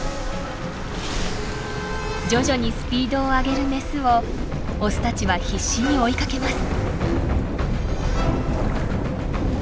徐々にスピードを上げるメスをオスたちは必死に追いかけます。